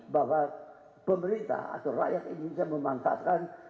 bahwa pemerintah atau rakyat indonesia memanfaatkan